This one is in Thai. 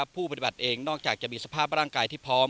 ผู้ปฏิบัติเองนอกจากจะมีสภาพร่างกายที่พร้อม